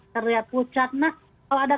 terlihat pucat nah kalau ada